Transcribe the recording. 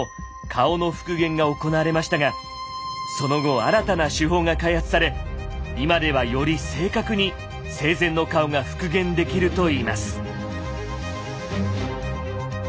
顔の復元が行われましたがその後新たな手法が開発され今ではより正確に生前の顔が復元できるといいます。